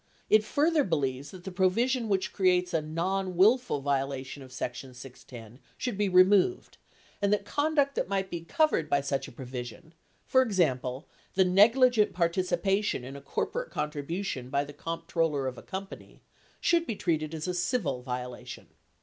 It further believes that the provision which creates a "nonwillful" violation of section 610 should be removed and that conduct that might be covered by such a provision, for example, the negligent participation in a corporate contribution by the comptroller of a company, should be treated as a civil violation.